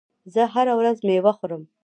زه هره ورځ میوه خورم.